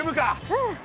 うん。